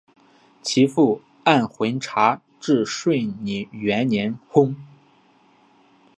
其父按浑察至顺元年薨。